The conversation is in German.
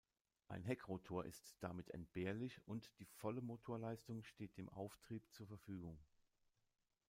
Ein Heckrotor ist damit entbehrlich und die volle Motorleistung steht dem Auftrieb zur Verfügung.